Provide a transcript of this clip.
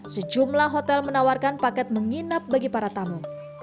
sejumlah hotel menawarkan paket menginap bagi para tamu